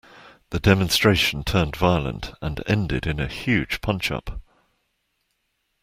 The demonstration turned violent, and ended in a huge punch-up